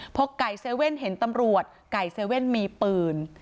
พอไก่เซเว่นเห็นตำรวจไก่เซเว่นมีปืน